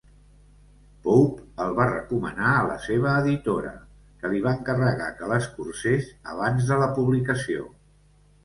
Pope el va recomanar a la seva editora, que li va encarregar que l'escurcés abans de la publicació.